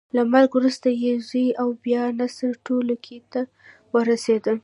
له مرګه وروسته یې زوی او بیا نصر ټولواکۍ ته ورسېدل.